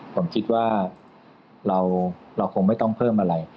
ผมคิดว่าเราคงไม่ต้องเพิ่มอะไร